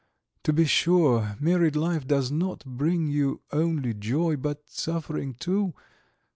To be sure married life does not bring only joy but suffering too.